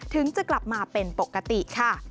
ถึงจะกลับมาเป็นปกติค่ะ